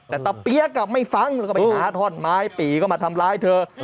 แต่ตะเปี๊ยกไม่ฟังแล้วก็ไปหาท่อนไม้ปี่ก็มาทำร้ายเธอ